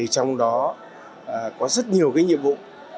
trong đó có rất nhiều nhiệm vụ